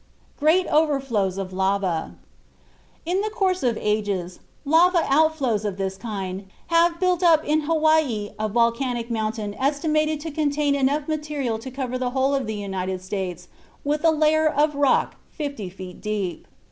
GREAT OUTFLOWS OF LAVA In the course of ages lava outflows of this kind have built up in Hawaii a volcanic mountain estimated to contain enough material to cover the whole of the United States with a layer of rock 50 feet deep.